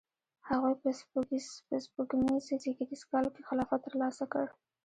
هغوی په سپوږمیز زیږدیز کال کې خلافت ترلاسه کړ.